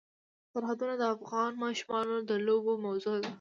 سرحدونه د افغان ماشومانو د لوبو موضوع ده.